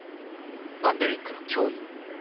パンデミックの脅威。